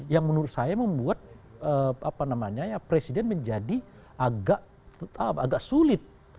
yang menurut saya membuat presiden menjadi agak sulit